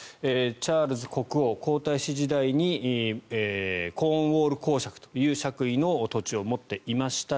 チャールズ国王、皇太子時代にコーンウォール公爵という土地を持っていました。